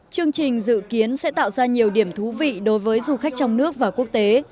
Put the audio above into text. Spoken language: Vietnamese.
chương trình dự kiến sẽ tạo ra nhiều điểm thú vị đối với du khách trong nước và quốc tế